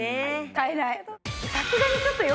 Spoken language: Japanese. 買えない。